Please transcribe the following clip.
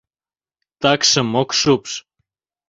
Такшым ок шупш.